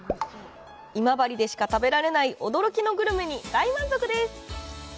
今治でしか食べられない驚きのグルメに大満足です！